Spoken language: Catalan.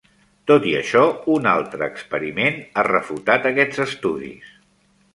Tot i això, un altre experiment ha refutat aquests estudis.